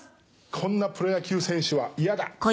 こんなプロ野球選手は嫌だ。